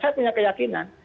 saya punya keyakinan